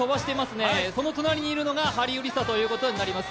その隣にいるのがハリウリサということになります。